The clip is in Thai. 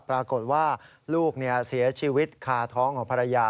ปรากฏว่าลูกเสียชีวิตคาท้องของภรรยา